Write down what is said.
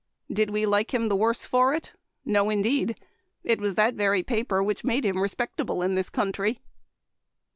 Did we like him the worse for it ? No, indeed. It was that very paper which made him respectable in this country.